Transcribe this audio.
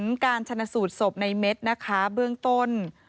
ในการชนสูดสบในเม็ดนะคะเบื้องต้น